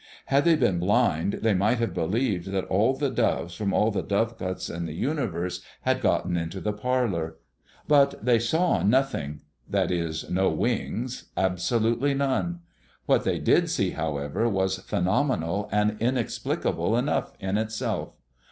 Had they been blind, they might have believed that all the doves from all the dovecots in the universe had gotten into the parlor. But they saw nothing; that is, no wings, absolutely none. What they did see, however, was phenomenal and inexplicable enough in itself.